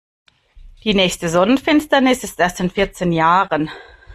Die nächste Sonnenfinsternis ist erst in vierzehn Jahren.